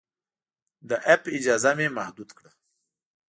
د اپ اجازه مې محدود کړه.